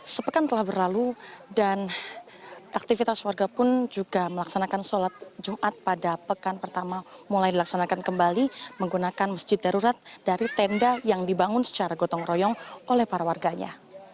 sepekan telah berlalu dan aktivitas warga pun juga melaksanakan sholat jumat pada pekan pertama mulai dilaksanakan kembali menggunakan masjid darurat dari tenda yang dibangun secara gotong royong oleh para warganya